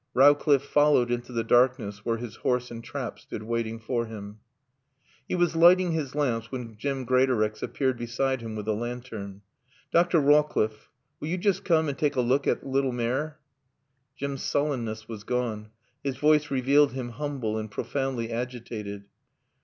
Rowcliffe followed into the darkness where his horse and trap stood waiting for him. He was lighting his lamps when Jim Greatorex appeared beside him with a lantern. "Dr. Rawcliffe, will yo joost coom an' taak a look at lil maare?" Jim's sullenness was gone. His voice revealed him humble and profoundly agitated.